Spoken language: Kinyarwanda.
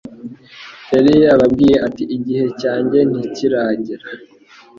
yari yababwiye ati: "Igihe cyanjye ntikiragera.'"